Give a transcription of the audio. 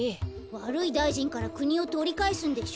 わるいだいじんからくにをとりかえすんでしょ。